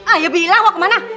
ayah bilang mau kemana